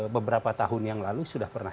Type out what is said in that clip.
beberapa tahun yang lalu sudah pernah